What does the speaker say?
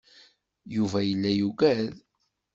Yuba yella yugad.